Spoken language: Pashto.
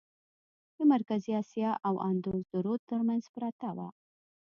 د مرکزي آسیا او اندوس د رود ترمنځ پرته وه.